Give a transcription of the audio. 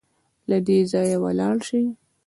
له دې ځايه ولاړ سئ